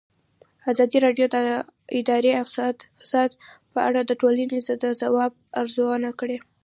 ازادي راډیو د اداري فساد په اړه د ټولنې د ځواب ارزونه کړې.